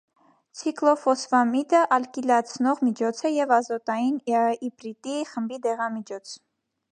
Ցիկլոֆոսֆամիդը ալկիլացնող միջոց է և ազոտային իպրիտի խմբի դեղամիջոց։